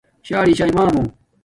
شݳ رِݵ چھݳئی مݳمݸ.